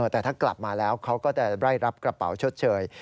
แต่ถ้ากลับมาแล้วเขาก็จะได้รับกระเป๋าชดเชย